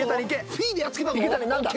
フィーでやっつけたぞ。